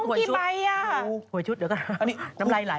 ใดน้ำไรหลาย